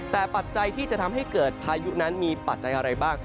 แต่ปัจจัยที่จะทำให้เกิดพายุนั้นมีปัจจัยอะไรบ้าง